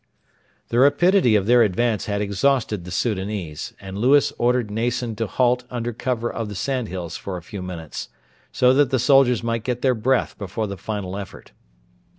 The rapidity of their advance had exhausted the Soudanese, and Lewis ordered Nason to halt under cover of the sandhills for a few minutes, so that the soldiers might get their breath before the final effort.